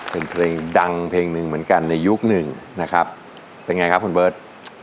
เป็นเพลงดังเพลงหนึ่งเหมือนกันในยุคหนึ่งนะครับเป็นไงครับคุณเบิร์ต